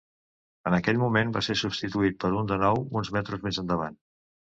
En aquell moment va ser substituït per un de nou uns metres més endavant.